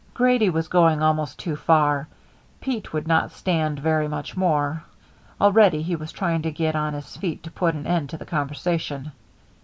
Grady was going almost too far; Pete would not stand very much more; already he was trying to get on his feet to put an end to the conversation.